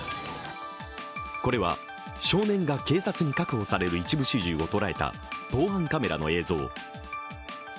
これは少年が警察に確保される一部始終を捉えた防犯カメラの映像。